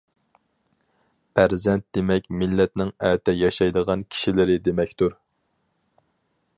پەرزەنت دېمەك مىللەتنىڭ ئەتە ياشايدىغان كىشىلىرى دېمەكتۇر.